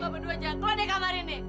kamu berdua jangan keluar dari kamar ini